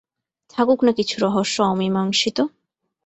থাকুক না কিছু রহস্য অমীমাংসিত।